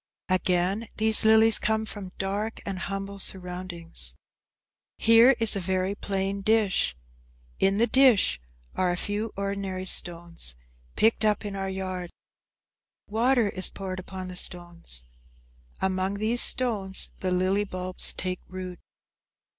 Again, these lilies come from dark and humble surroundings. Here is a very plain dish. In the dish are a few ordinary stones; picked up in our yard. Water is poured upon the stones. Among these stones the lily bulbs take root.